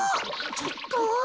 ちょっと。